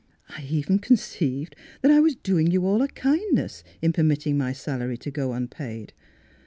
" I even conceived that I was doing you all a kindness in permitting my salary to go unpaid.